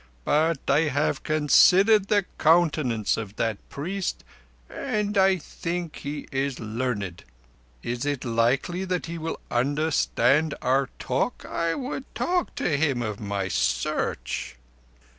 "But I considered the countenance of that priest and I think he is learned. Is it likely that he will understand our talk? I would talk to him of my Search."